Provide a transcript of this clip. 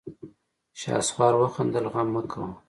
شهسوار وخندل: غم مه کوه!